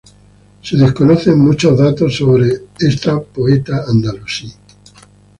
Se desconocen muchos datos sobre esta poeta andalusí.